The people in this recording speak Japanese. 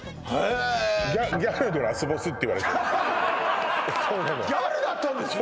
へえっギャルのラスボスって言われてるのギャルだったんですか！